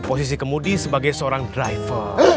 dan posisi kemudi sebagai seorang driver